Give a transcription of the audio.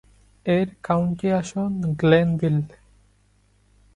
এর কাউন্টি আসন গ্লেনভিল।